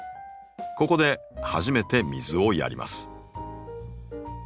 ここで初めて水をやります。